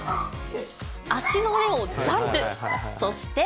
足の上をジャンプ、そして。